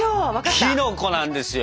キノコなんですよ。